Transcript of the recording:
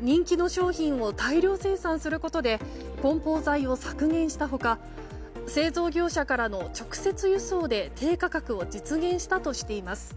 人気の商品を大量生産することで梱包材を削減した他製造業者からの直接輸送で低価格を実現したとしています。